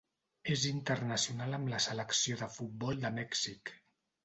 És internacional amb la selecció de futbol de Mèxic.